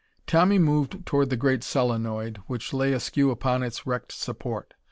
Tommy moved toward the great solenoid which lay askew upon its wrecked support.